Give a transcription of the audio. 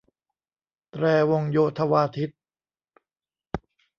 แตรวงโยธวาทิต